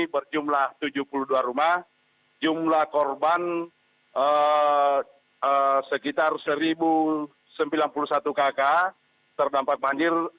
berjumlah tujuh puluh dua rumah jumlah korban sekitar satu sembilan puluh satu kakak terdampak banjir